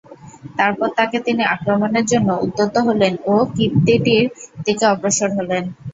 তারপর তাকে তিনি আক্রমণের জন্য উদ্যত হলেন ও কিবতীটির দিকে অগ্রসর হলেন।